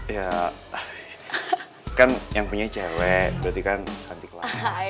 ya kan yang punya cewek berarti kan cantik lah